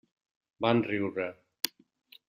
Van riure.